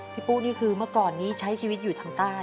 ปุ๊นี่คือเมื่อก่อนนี้ใช้ชีวิตอยู่ทางใต้